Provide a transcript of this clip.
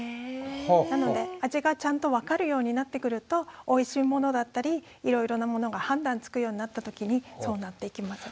なので味がちゃんと分かるようになってくるとおいしいものだったりいろいろなものが判断つくようになったときにそうなっていきます。